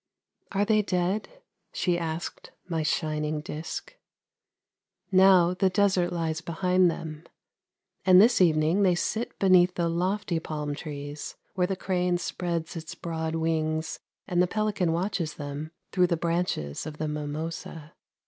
' Are they dead ?' she asked my shining disc. Now the desert lies behind them, and this evening they sit beneath the lofty palm trees, where the crane spreads its broad wings and the pelican watches them through the branches of the mimosa.